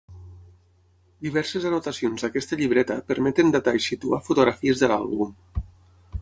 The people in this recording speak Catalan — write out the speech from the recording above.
Diverses anotacions d'aquesta llibreta permeten datar i situar fotografies de l'àlbum.